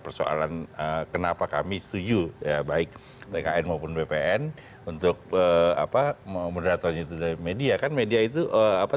persoalan kenapa kami setuju baik bkn maupun bpn untuk apa mau mudah tanya media kan media itu apa